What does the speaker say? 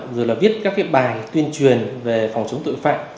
rồi là viết các cái bài tuyên truyền về phòng chống tội phạm